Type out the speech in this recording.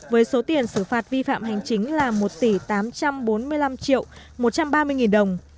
với số tiền xử phạt vi phạm hành chính là một tỷ tám trăm bốn mươi năm triệu một trăm ba mươi nghìn đồng